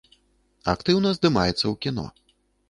Актыўна здымаецца ў кіно.